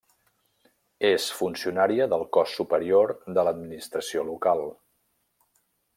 És funcionària del cos superior de l'administració local.